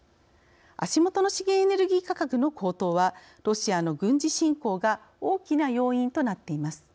足元の資源エネルギー価格の高騰はロシアの軍事侵攻が大きな要因となっています。